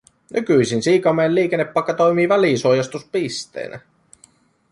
Nykyisin Siikamäen liikennepaikka toimii välisuojastuspisteenä